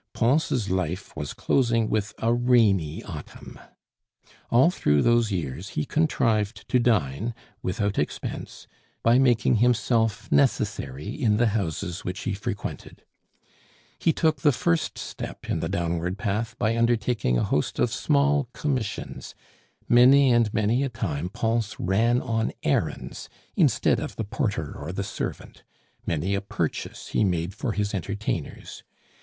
Pons' life was closing with a rainy autumn. All through those years he contrived to dine without expense by making himself necessary in the houses which he frequented. He took the first step in the downward path by undertaking a host of small commissions; many and many a time Pons ran on errands instead of the porter or the servant; many a purchase he made for his entertainers.